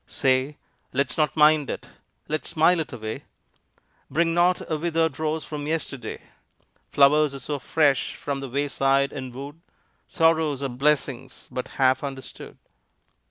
Say! Let's not mind it! Let's smile it away, Bring not a withered rose from yesterday; Flowers are so fresh from the wayside and wood, Sorrows are blessings but half understood.